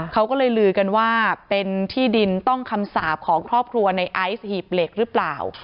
เขาก็เลยลือกันว่าเป็นที่ดินต้องคำสาปของครอบครัวในไอซ์หีบเหล็กหรือเปล่า